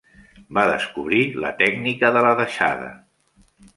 Va descobrir la tècnica de la deixada.